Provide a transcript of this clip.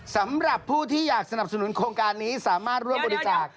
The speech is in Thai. สำหรับผู้ที่อยากสนับสนุนโครงการนี้สามารถร่วมบริจาค